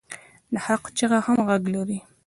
د حق چیغه هم غږ لري